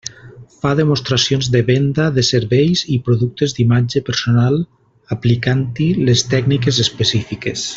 Fa demostracions de venda de serveis i productes d'imatge personal aplicant-hi les tècniques específiques.